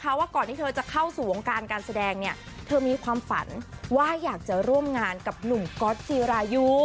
เพราะว่าก่อนที่เธอจะเข้าสู่วงการการแสดงเนี่ยเธอมีความฝันว่าอยากจะร่วมงานกับหนุ่มก๊อตจีรายุ